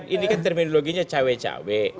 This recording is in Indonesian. ini kan terminologinya cawe cawe